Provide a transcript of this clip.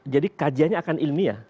jadi kajiannya akan ilmiah